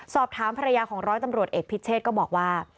สอบถามภรรยาของร้อยตำรวจเอกพิเชษก็บอกว่า